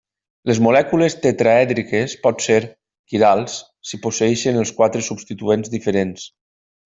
Les molècules tetraèdriques pot ser quirals si posseeixen els quatre substituents diferents.